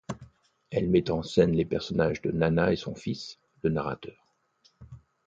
Elle met en scène les personnages de Nana et son fils, le narrateur.